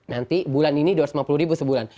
nanti bulan ini dua ratus lima puluh ribu sebulan